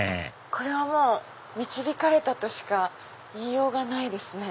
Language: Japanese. これはもう導かれたとしか言いようがないですね。